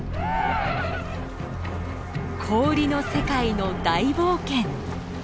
氷の世界の大冒険。